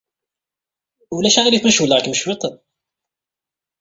Ulac aɣilif ma cewwleɣ-kem cwiṭ?